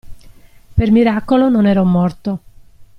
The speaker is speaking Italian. Per miracolo non ero morto.